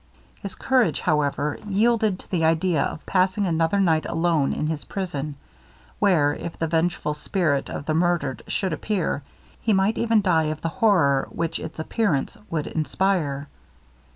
His courage, however, yielded to the idea of passing another night alone in his prison, where, if the vengeful spirit of the murdered should appear, he might even die of the horror which its appearance would inspire.